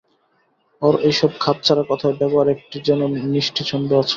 ওর এইসব খাপছাড়া কথায় ব্যবহারে একটি যেন মিষ্টি ছন্দ আছে।